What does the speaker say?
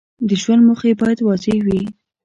د ژوند موخې باید واضح وي.